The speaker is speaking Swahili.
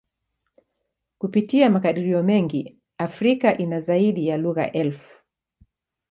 Kupitia makadirio mengi, Afrika ina zaidi ya lugha elfu.